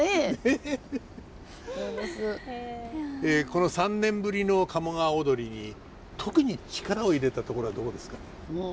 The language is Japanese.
この３年ぶりの「鴨川をどり」に特に力を入れたところはどこですか？